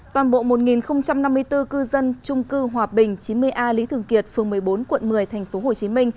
toàn bộ một năm mươi bốn cư dân trung cư hòa bình chín mươi a lý thường kiệt phường một mươi bốn quận một mươi tp hcm